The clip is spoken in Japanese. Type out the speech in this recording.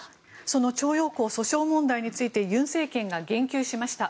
その徴用工訴訟問題について尹政権が言及しました。